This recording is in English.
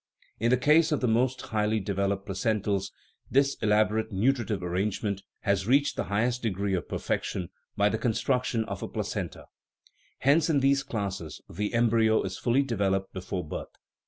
In the case of the most highly developed placentals this elaborate nutri tive arrangement has reached the highest degree of perfection by the construction of a placenta ; hence in these classes the embryo is fully developed before birth.